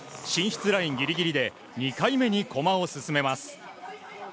進出ラインぎりぎりで、２回目に駒を進めます。